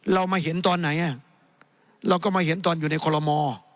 เรามาเห็นตอนไหนเราก็มาเห็นตอนอยู่ในคอลโม